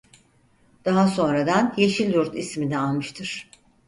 Daha sonradan Yeşilyurt ismini almıştır.